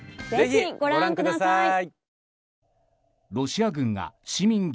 ぜひご覧ください。